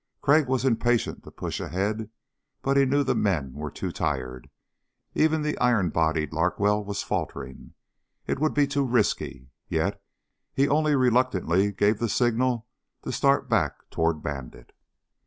Crag was impatient to push ahead but he knew the men were too tired. Even the iron bodied Larkwell was faltering. It would be too risky. Yet he only reluctantly gave the signal to start back toward Bandit.